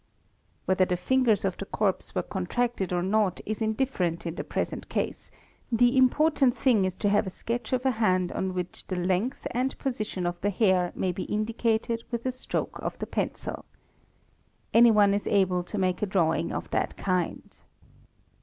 Whether the fingers of the corpse were con — tracted or not is indifferent in the present case, the important thing is to have a sketch of a hand on which the length and position of the hair — may be indicated with a stroke of the pencil. Any one is able to make a drawing of that kind.